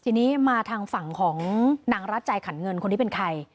ทีนี้มาทางฝั่งของนางรัชใจขันเงินคนนี้เป็นใคร